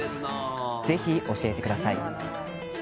ぜひ教えてください。